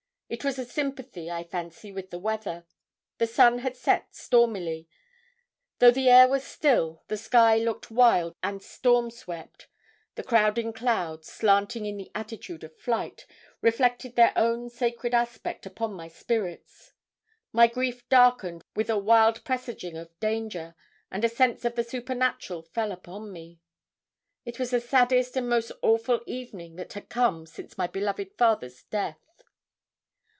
It was a sympathy, I fancy, with the weather. The sun had set stormily. Though the air was still, the sky looked wild and storm swept. The crowding clouds, slanting in the attitude of flight, reflected their own sacred aspect upon my spirits. My grief darkened with a wild presaging of danger, and a sense of the supernatural fell upon me. It was the saddest and most awful evening that had come since my beloved father's death.